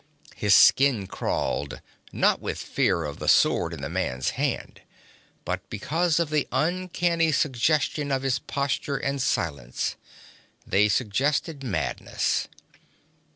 His skin crawled, not with fear of the sword in the man's hand, but because of the uncanny suggestion of his posture and silence. They suggested madness.